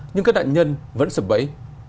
nhưng các nạn nhân vẫn sập bẫy